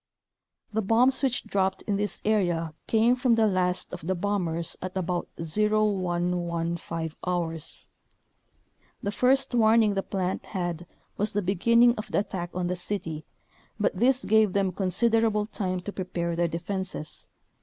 The bombs which dropped in this area came from the last of the bombers at about 0115 hours. The first warn ing the plant had was the beginning of the attack on the city, but this gave them consider able time to prepare their defenses.